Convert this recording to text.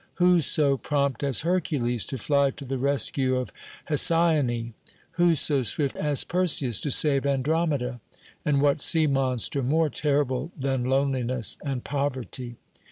Who so prompt as Hercules to fly to the rescue of Hesione? Who so swift as Perseus to save Andromeda? And what sea monster more terrible than loneliness and poverty?